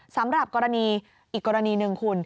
สำหรับกรณีอีกกรณีหนึ่งคุณ